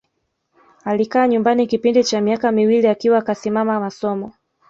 Alikaa nyumbani kipindi cha miaka miwili akiwa kasimama masomo